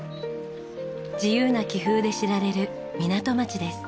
自由な気風で知られる港町です。